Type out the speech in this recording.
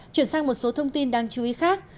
chuyển sang một số thông tin đáng chú ý khác